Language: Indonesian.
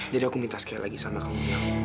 jadi aku minta sekali lagi sama kamu